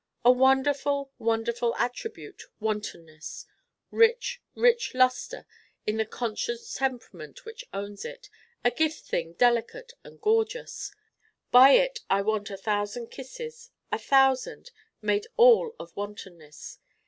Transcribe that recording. A wonderful, wonderful attribute, Wantonness: rich, rich luster in the conscious temperament which owns it, a Gift thing delicate and gorgeous. By it I want a Thousand Kisses: a Thousand made all of Wantonness.